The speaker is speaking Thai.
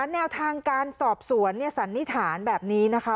แนวทางการสอบสวนสันนิษฐานแบบนี้นะคะ